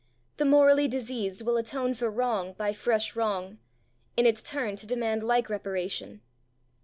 The morally diseased will atone for wrong by fresh wrong in its turn to demand like reparation!